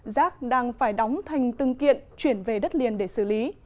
rác đang phải đóng thành từng kiện chuyển về đất liền để xử lý